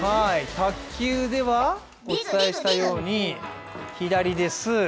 卓球ではお伝えしたように左です。